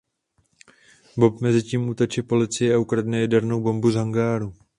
Bob mezitím uteče policii a ukradne jadernou bombu z hangáru.